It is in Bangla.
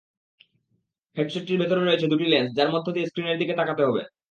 হেডসেটটির ভেতরে রয়েছে দুটি লেন্স, যার মধ্য দিয়ে স্ক্রিনের দিকে তাকাতে হবে।